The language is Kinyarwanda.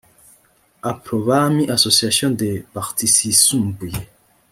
aprobami association des partisyisumbuye